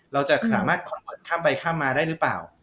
เราจะสามารถคอนเวิร์ดข้ามไปข้ามมาได้หรือเปล่า